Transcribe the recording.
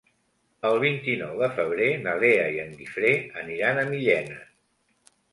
El vint-i-nou de febrer na Lea i en Guifré aniran a Millena.